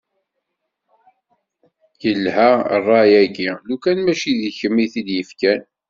Yelha ṛṛay-agi, lukan mačči d kemm i t-id-yefkan.